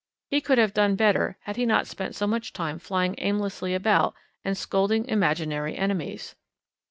He could have done better had he not spent so much time flying aimlessly about and scolding imaginary enemies.